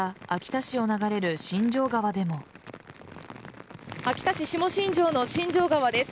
また秋田市下新城の新城川です。